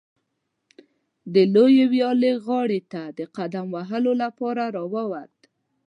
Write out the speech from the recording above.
د لویې ویالې غاړې ته د قدم وهلو لپاره راووت.